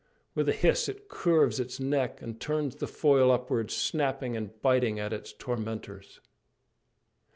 With a hiss it curves its neck and turns the foil upwards, snapping and biting at its tormentors.